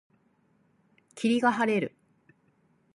霧が晴れる。